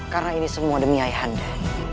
karena ini semua demi ayah hande